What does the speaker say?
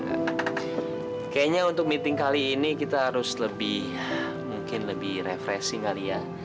kayaknya untuk meeting kali ini kita harus lebih mungkin lebih refreshing kali ya